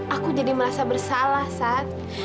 aku jadi merasa bersalah saat